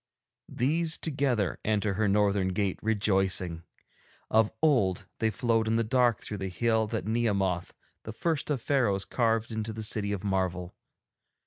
These, together, enter her northern gate rejoicing. Of old they flowed in the dark through the Hill that Nehemoth, the first of Pharaohs, carved into the City of Marvel.